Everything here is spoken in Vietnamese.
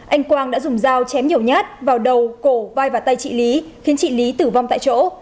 anh quang đã dùng dao chém nhiều nhát vào đầu cổ vai và tay chị lý khiến chị lý tử vong tại chỗ